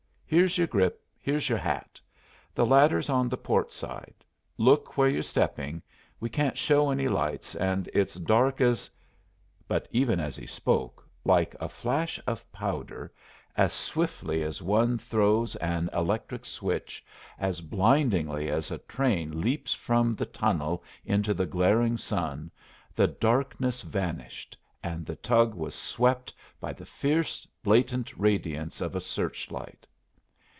Here's your grip, here's your hat. The ladder's on the port side. Look where you're stepping. We can't show any lights, and it's dark as " But, even as he spoke, like a flash of powder, as swiftly as one throws an electric switch, as blindingly as a train leaps from the tunnel into the glaring sun, the darkness vanished and the tug was swept by the fierce, blatant radiance of a search light.